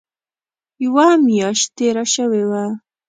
یوه میاشت تېره شوې وه.